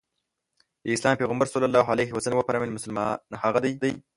د اسلام پيغمبر ص وفرمايل مسلمان هغه دی.